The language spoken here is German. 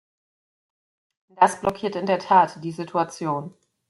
Das blockiert in der Tat die Situation.